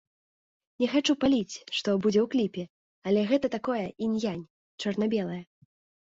Не хачу паліць, што будзе ў кліпе, але гэта такое інь-янь, чорнае-белае.